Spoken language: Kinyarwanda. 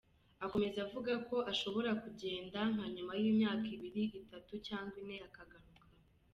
Akomeza avuga ko ashobora kugenda nka nyuma y’imyaka ibiri, itatu cyangwa ine akagaruka.